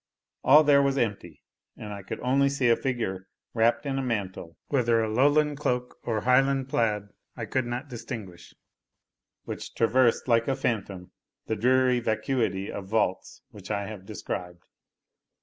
All there was empty; and I could only see a figure wrapped in a mantle, whether a Lowland cloak, or Highland plaid, I could not distinguish, which traversed, like a phantom, the dreary vacuity of vaults which I have described.